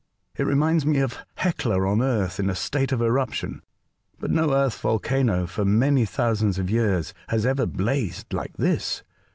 *' It reminds me of Hecla on Earth in a state of eruption ; but no Earth volcano for many thousands of years has ever blazed like this.